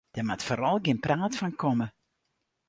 Der moat foaral gjin praat fan komme.